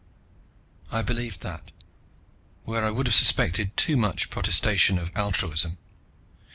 I believed that, where I would have suspected too much protestation of altruism.